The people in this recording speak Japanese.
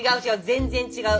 全然違う。